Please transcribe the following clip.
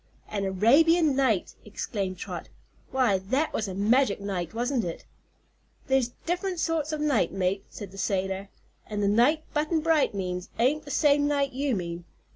"An Arabian Night!" exclaimed Trot; "why, that was a magic night, wasn't it?" "There's diff'rent sorts o' nights, mate," said the sailor, "an' the knight Button Bright means ain't the same night you mean.